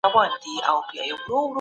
د دورکهایم مطالعات ډیر څرګند وو.